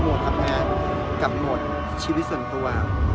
คือหมวดทำงานกับหมวดชีวิตส่วนตัว